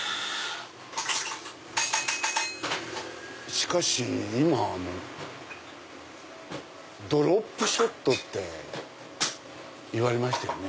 しかし今ドロップショットって言われましたよね。